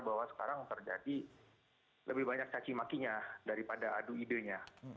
bahwa sekarang terjadi lebih banyak cacimakinya daripada adu idenya